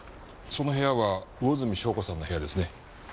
その部屋は魚住笙子さんの部屋ですね。